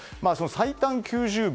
最短９０秒。